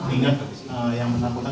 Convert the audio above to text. ingat yang penamputan